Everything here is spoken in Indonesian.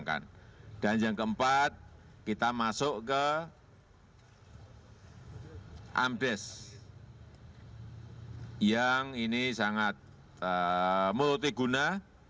dengan nama alat mekanis multiguna